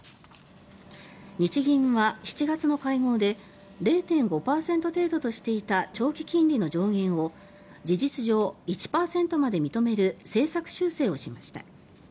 日銀は７月の会合で０．５％程度としていた長期金利の上限を事実上１％まで認める政策修正をしました。